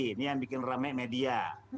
ini yang bikin rame media